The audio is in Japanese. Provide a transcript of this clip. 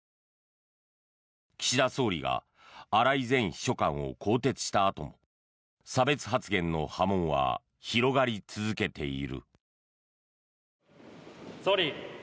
岸田総理が荒井前秘書官を更迭したあとも差別発言の波紋は広がり続けている。